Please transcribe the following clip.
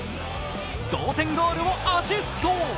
同点ゴールをアシスト。